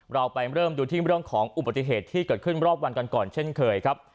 เราไปเริ่มดูที่เรื่องของอุบัติเหตุที่เกิดขึ้นรอบวันกันก่อนเช่นเคยครับ